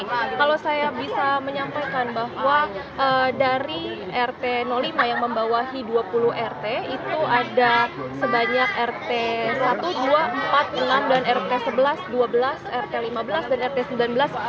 nah kalau saya bisa menyampaikan bahwa dari rt lima yang membawahi dua puluh rt itu ada sebanyak rt satu dua empat puluh enam dan rt sebelas dua belas rt lima belas dan rt sembilan belas